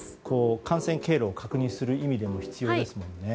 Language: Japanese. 感染経路を確認する意味でも必要ですものね。